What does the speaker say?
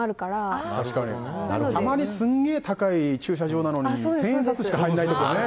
たまにすげえ高い駐車場なのに千円札しか入らないとかね。